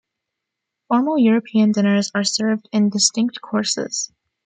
Formal European dinners are served in distinct courses.